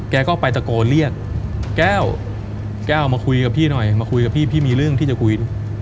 แกก็ไปตะโกนเรียกแก้วแก้วมาคุยกับพี่หน่อยมาคุยกับพี่พี่มีเรื่องที่จะคุย